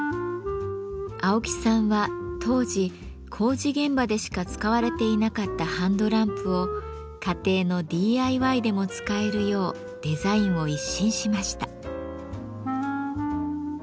青木さんは当時工事現場でしか使われていなかったハンドランプを家庭のＤＩＹでも使えるようデザインを一新しました。